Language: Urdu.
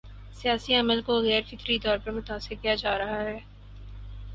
سیاسی عمل کو غیر فطری طور پر متاثر کیا جا رہا ہے۔